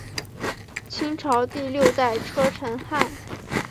清朝第六代车臣汗。